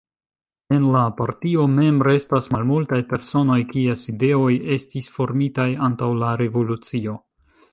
En la Partio mem restas malmultaj personoj kies ideoj estis formitaj antaŭ la Revolucio.